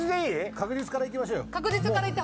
確実からいきましょう。